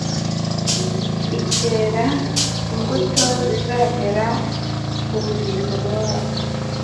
ikera imbuto zizagera ku bugingo buhoraho.